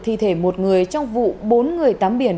thi thể một người trong vụ bốn người tắm biển